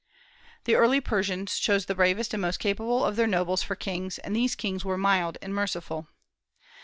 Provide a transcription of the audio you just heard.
The early Persians chose the bravest and most capable of their nobles for kings, and these kings were mild and merciful.